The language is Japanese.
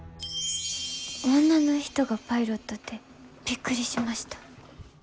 女の人がパイロットってびっくりしました。